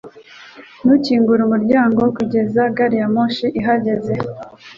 Ntukingure umuryango kugeza gari ya moshi ihagaze